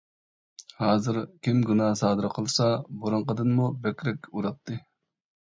ھازىر كىم گۇناھ سادىر قىلسا، بۇرۇنقىدىنمۇ بەكرەك ئۇراتتى.